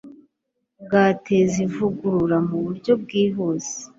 bwateza ivugurura mu buryo bwihuse